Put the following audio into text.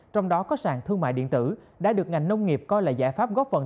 trong đó có sàn thương mại điện tử đã được ngành nông nghiệp coi là giải pháp góp phần